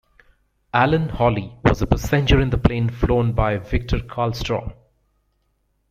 Alan Hawley was a passenger in the plane flown by Victor Carlstrom.